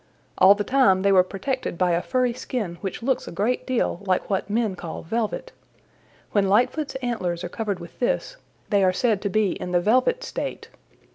All the time they were protected by a furry skin which looks a great deal like what men call velvet. When Lightfoot's antlers are covered with this, they are said to be in the velvet state.